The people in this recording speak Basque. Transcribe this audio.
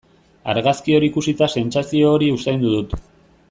Argazki hori ikusita sentsazio hori usaindu dut.